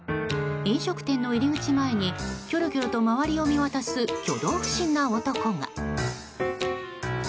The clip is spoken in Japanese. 飲食店の入り口前にキョロキョロと周りを見渡す挙動不審な男が。